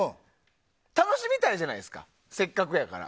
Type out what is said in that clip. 楽しみたいじゃないですかせっかくやから。